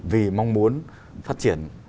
vì mong muốn phát triển